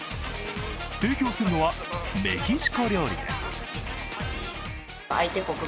提供するのはメキシコ料理です。